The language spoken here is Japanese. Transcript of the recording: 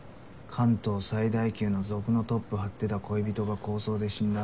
関東最大級の族のトップ張ってた恋人が抗争で死んだ